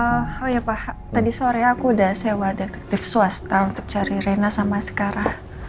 oh iya pa tadi sore aku udah sewa detektif swasta untuk cari reina sama ascara